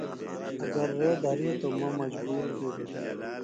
اگر رے دھریتوۡ مہ مجبور بیڈُوۡ دےۡ۔